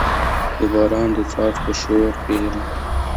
د باران د څاڅکو شور پیرم